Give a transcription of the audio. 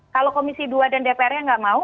kalau komisi dua dan dpr nya nggak mau